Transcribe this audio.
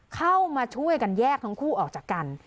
เข้ามาช่วยกันแยกทั้งคู่ออกจากกัน